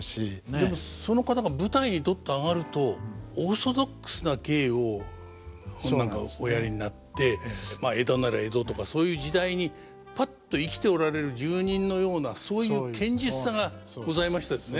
でもその方が舞台にどっと上がるとオーソドックスな芸を何かおやりになってまあ江戸なら江戸とかそういう時代にぱっと生きておられる住人のようなそういう堅実さがございましたですね。